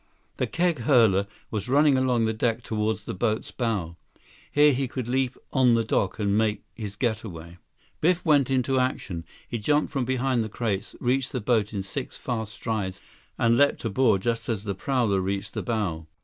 The keg hurler was running along the deck toward the boat's bow. Here he could leap on the dock and make his getaway. Biff went into action. He jumped from behind the crates, reached the boat in six fast strides, and leaped aboard just as the prowler reached the bow.